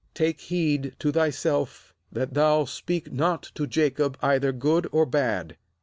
'Take heed to thyself that thou speak not to Jacob either good or bad.'